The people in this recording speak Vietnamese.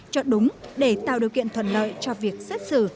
cho đúng để tạo điều kiện thuận lợi cho việc xét xử